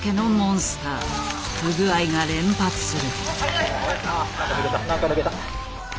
不具合が連発する。